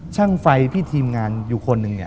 ช่างไฟพี่ทีมงานอยู่คนหนึ่ง